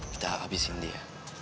kita habisin dia